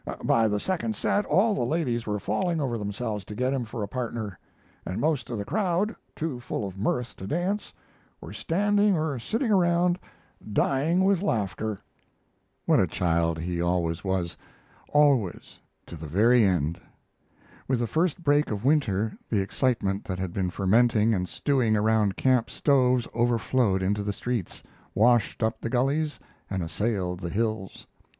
By the second set, all the ladies were falling over themselves to get him for a partner, and most of the crowd, too full of mirth to dance, were standing or sitting around, dying with laughter. What a child he always was always, to the very end? With the first break of winter the excitement that had been fermenting and stewing around camp stoves overflowed into the streets, washed up the gullies, and assailed the hills.